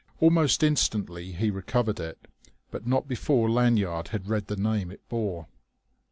Almost instantly he recovered it, but not before Lanyard had read the name it bore.